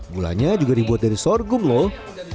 gulanya juga dibuat dari sorghum lho